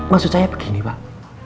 maksud saya begini pak